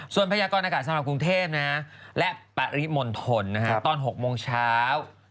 ส่วนพยากรณากาศสำหรับกรุงเทพและปริมณฑลตอน๖โมงเช้า